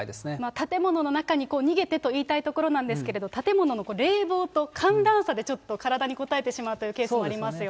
建物の中に逃げてと言いたいところなんですけれども、建物の冷房と寒暖差でちょっと体にこたえてしまうというケースもそうですね。